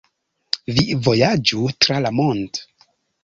Vi vojaĝu tra la mond'